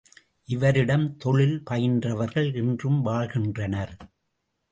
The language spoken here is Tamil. இவரிடம் தொழில் பயின்றவர்கள் இன்றும் வாழ்கின்றனர்.